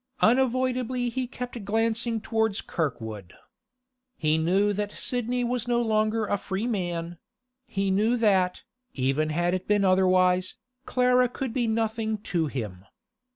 Unavoidably he kept glancing towards Kirkwood. He knew that Sidney was no longer a free man; he knew that, even had it been otherwise, Clara could be nothing to him.